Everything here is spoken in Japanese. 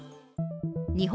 日本